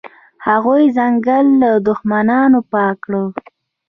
هغوی ځنګل له دښمنانو پاک کړ.